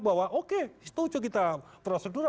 bahwa oke setuju kita prosedural